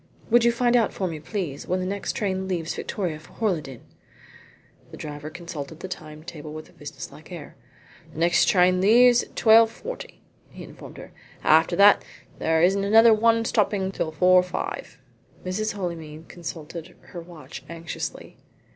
"Would you find out for me, please, when the next train leaves Victoria for Horleydene?" The driver consulted the time table with a businesslike air. "The next train leaves at 12.40," he informed her. "After that there isn't another one stopping there till 4.5." Mrs. Holymead consulted her watch anxiously.